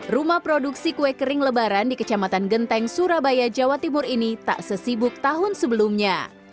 rumah produksi kue kering lebaran di kecamatan genteng surabaya jawa timur ini tak sesibuk tahun sebelumnya